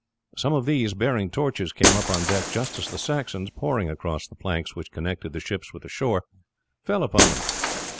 Some of these bearing torches came up on deck just as the Saxons, pouring across the planks which connected the ships with the shore, fell upon them.